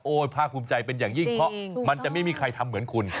ภาคภูมิใจเป็นอย่างยิ่งเพราะมันจะไม่มีใครทำเหมือนคุณ